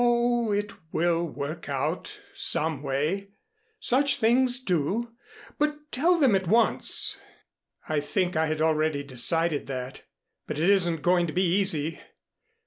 "Oh, it will work out some way; such things do. But tell them at once." "I think I had already decided that. But it isn't going to be easy.